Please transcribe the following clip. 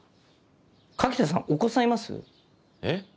柿田さんお子さんいます？え？